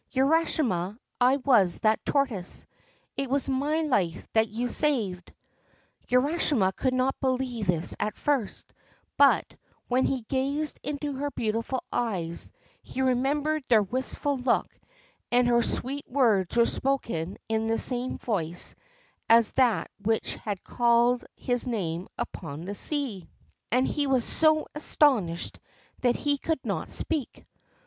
Urashima, I was that tortoise ! It was my life that you saved !' Urashima could not believe this at first, but, when he gazed into her beautiful eyes, he remembered their wistful look, and her sweet words were spoken in the same voice as that which had called his name upon the sea. And he was so astonished that he could not speak.